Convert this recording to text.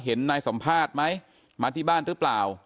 เห็นนายสัมภาษณ์ไหมมาที่บ้านหรือเปล่า